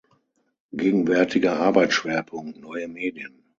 Gegenwärtiger Arbeitsschwerpunkt: Neue Medien.